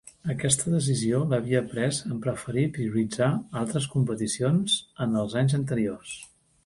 Aquesta decisió l'havia pres en preferir prioritzar altres competicions en els anys anteriors.